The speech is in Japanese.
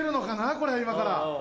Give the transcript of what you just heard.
これ今から。